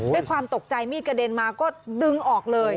ด้วยความตกใจมีดกระเด็นมาก็ดึงออกเลย